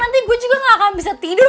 nanti gue juga gak akan bisa tidur